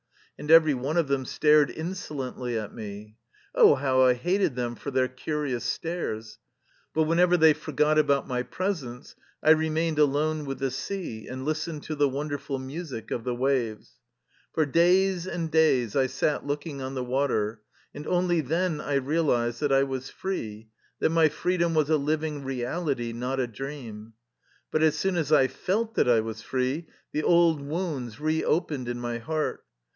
And every one of them stared insolently at me. Oh, how I hated them for their curious stares! But whenever they forgot about my presence, I remained alone with the sea and listened to the wonderful music of the waves. For days and days I sat looking on the water, and only then I realized that I was free, that my freedom was a living reality, not a dream. But as soon as I felt that I was free, the old wounds re opened in my heart.